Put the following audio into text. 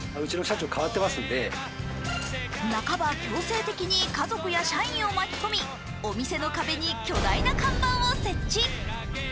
なかば強制的に家族や社員を巻き込み、お店の壁に巨大な看板を設置。